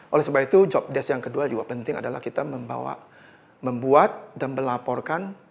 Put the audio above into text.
oleh sebab itu job desk yang kedua juga penting adalah kita membawa membuat dan melaporkan